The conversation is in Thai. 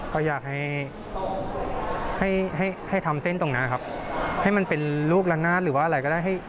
ก็อยากให้ให้ทำเส้นตรงนั้นครับให้มันเป็นลูกละนาดหรือว่าอะไรก็ได้